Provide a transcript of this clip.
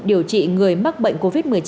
điều trị người mắc bệnh covid một mươi chín